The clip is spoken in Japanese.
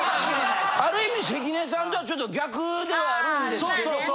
ある意味関根さんとはちょっと逆ではあるんですけども。